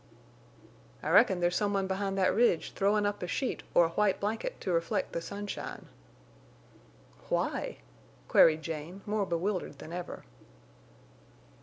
] "I reckon there's some one behind that ridge throwin' up a sheet or a white blanket to reflect the sunshine." "Why?" queried Jane, more bewildered than ever.